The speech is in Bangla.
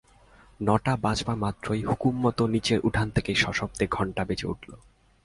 ন-টা বাজবা মাত্রই হুকুমমতো নীচের উঠোন থেকে সশব্দে ঘণ্টা বেজে উঠল।